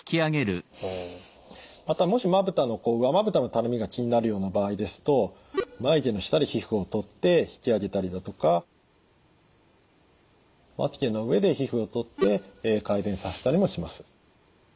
またもし上まぶたのたるみが気になるような場合ですと眉毛の下で皮膚をとって引き上げたりだとかまつげの上で皮膚をとって改善させたりもします。